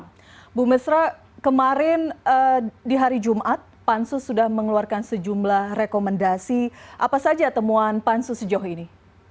ibu mesra kemarin di hari jumat pansus sudah mengeluarkan sejumlah rekomendasi apa saja temuan pansus sejauh ini